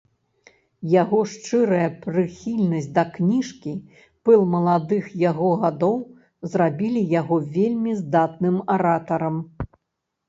Яго шчырая прыхільнасць да кніжкі, пыл маладых яго гадоў зрабілі яго вельмі здатным аратарам.